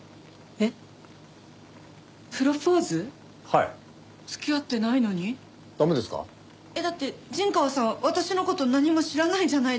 えっだって陣川さん私の事何も知らないじゃないですか。